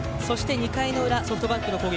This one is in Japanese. ２回の裏のソフトバンクの攻撃